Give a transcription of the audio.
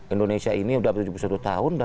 indonesia ini sudah tujuh puluh satu tahun